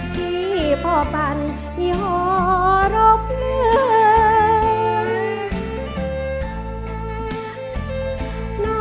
ที่พ่อปั่นมีห่อรบเหลื่อน